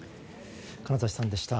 金指さんでした。